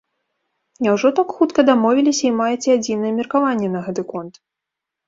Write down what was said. Няўжо так хутка дамовіліся і маеце адзінае меркаванне на гэты конт?